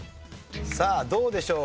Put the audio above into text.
さあどうでしょう？